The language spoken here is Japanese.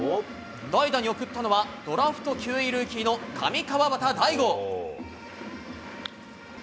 代打に送ったのは、ドラフト９位ルーキーの上川畑大悟。